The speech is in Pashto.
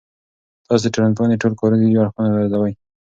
تاسو د ټولنپوهنې ټول کاري اړخونه ارزوي؟